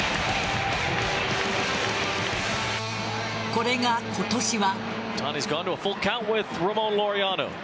これが今年は。